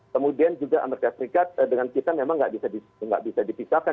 kemudian juga amerika serikat dengan kita memang tidak bisa dipisahkan